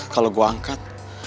kalau aku mengangkat